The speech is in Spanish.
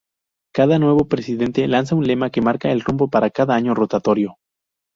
Cada nuevo presidente lanza un lema que marca el rumbo para cada año rotario.